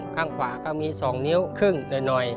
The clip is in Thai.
ข้างขวาก็มี๒นิ้วครึ่งหน่อย